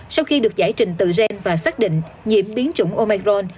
sau khi được giải trình từ gen và xác định nhiễm biến chủng omicron